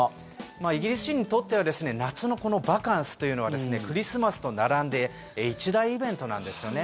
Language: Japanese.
イギリス人にとっては夏のバカンスというのはクリスマスと並んで一大イベントなんですよね。